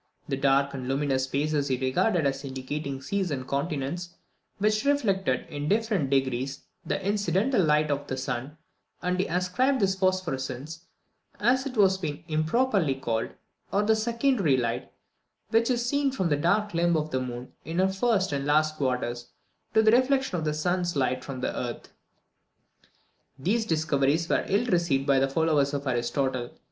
The dark and luminous spaces he regarded as indicating seas and continents, which reflected, in different degrees, the incidental light of the sun; and he ascribed the phosphorescence, as it has been improperly called, or the secondary light, which is seen on the dark limb of the moon in her first and last quarters, to the reflection of the sun's light from the earth. These discoveries were ill received by the followers of Aristotle.